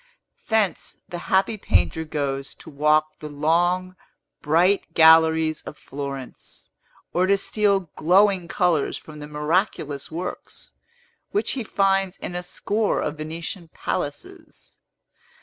Thence, the happy painter goes to walk the long, bright galleries of Florence, or to steal glowing colors from the miraculous works, which he finds in a score of Venetian palaces.